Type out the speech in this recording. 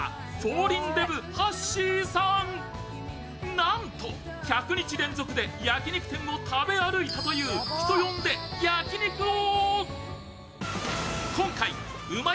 なんと１００日連続で焼き肉店を食べ歩いたという人呼んで、焼肉王。